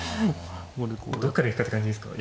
どこから行くかって感じですか。